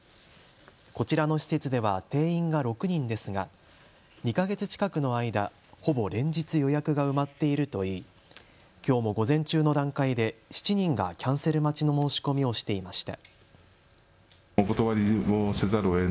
こちらの施設では定員が６人ですが２か月近くの間、ほぼ連日予約が埋まっているといいきょうも午前中の段階で７人がキャンセル待ちの申し込みをしていました。